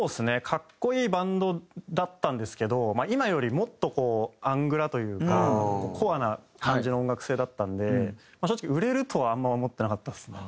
格好いいバンドだったんですけど今よりもっとこうアングラというかコアな感じの音楽性だったんで正直売れるとはあんま思ってなかったですね。